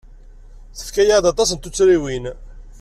Tefka-aɣ-d aṭas n tuttriwin.